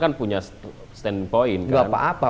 kan punya standpoint gak apa apa